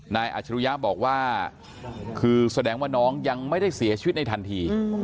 อาจรุยะบอกว่าคือแสดงว่าน้องยังไม่ได้เสียชีวิตในทันที